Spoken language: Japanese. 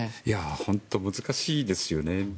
本当難しいですよね。